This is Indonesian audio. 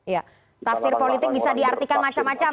ya tafsir politik bisa diartikan macam macam